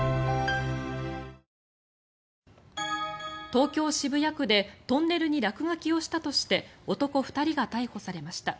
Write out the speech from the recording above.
東京・渋谷区でトンネルに落書きをしたとして男２人が逮捕されました。